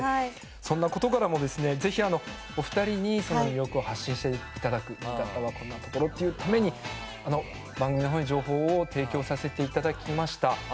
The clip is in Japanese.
そんなことからもぜひ、お二人によく発信していただく新潟はこんなところというために番組のほうに情報を提供させていただきました。